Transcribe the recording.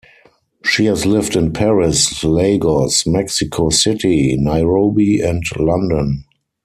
She has lived in Paris, Lagos, Mexico City, Nairobi and London.